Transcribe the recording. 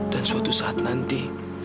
dan suatu saat nanti